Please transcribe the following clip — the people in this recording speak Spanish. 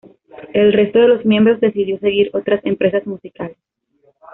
El resto de los miembros decidió seguir otras empresas musicales.